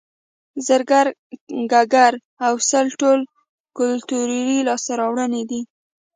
زرګر ګګر او سل ټول کولتوري لاسته راوړنې دي